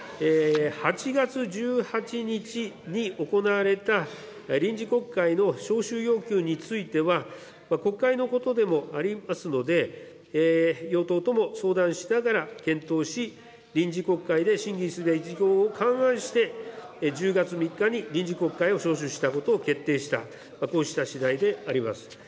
８月１８日に行われた臨時国会の召集要求については、国会のことでもありますので、与党とも相談しながら検討し、臨時国会で審議すべき事項を勘案して１０月３日に臨時国会を召集したことを決定した、こうしたしだいであります。